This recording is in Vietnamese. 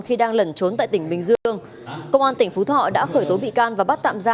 khi đang lẩn trốn tại tỉnh bình dương